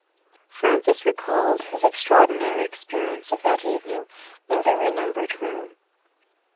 Francis recalled his extraordinary experience of that evening in the re numbered room.